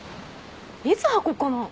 いつ履こっかな。